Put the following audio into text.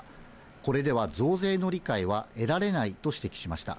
これでは増税の理解は得られないと指摘しました。